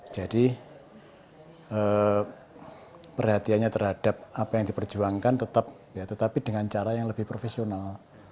jadi perhatiannya terhadap apa yang diperjuangkan tetap dengan cara yang lebih profesional